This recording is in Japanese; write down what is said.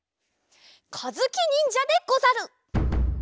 かずきにんじゃでござる！